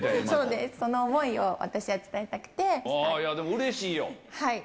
そうです、その思いを私は伝でもうれしいよ。